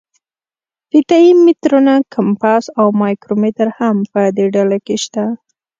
فیته یي مترونه، کمپاس او مایکرومتر هم په دې ډله کې شته.